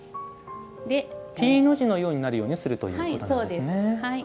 Ｔの字のようにするということなんですね。